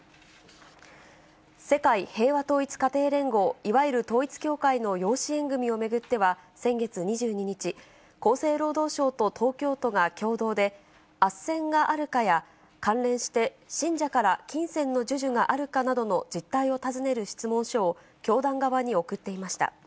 世界平和統一家庭連合、いわゆる統一教会の養子縁組を巡っては先月２２日、厚生労働省と東京都が共同で、あっせんがあるかや、関連して信者から金銭の授受があるかなどの実態を尋ねる質問書を教団側に送っていました。